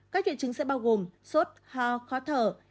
các triệu chứng sẽ bao gồm sốt ho khó thở